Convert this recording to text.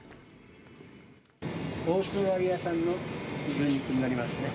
オーストラリア産の牛肉になりますね。